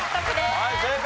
はい正解。